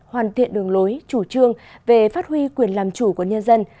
hoàn thiện đường lối chủ trương về phát huy quyền làm chủ của nhân dân